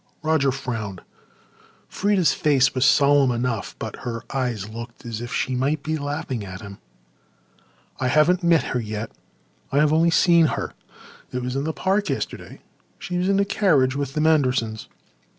Roger frowned. Freda's face was solemn enough but her eyes looked as if she might be laughing at him. "I haven't met her yet. I have only seen her. It was in the park yesterday. She was in a carriage with the Mandersons.